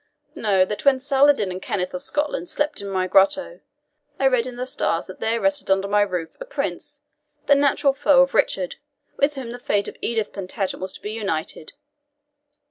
Know, that when Saladin and Kenneth of Scotland slept in my grotto, I read in the stars that there rested under my roof a prince, the natural foe of Richard, with whom the fate of Edith Plantagenet was to be united.